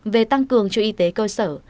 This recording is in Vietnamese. về tăng cường cho y tế cơ sở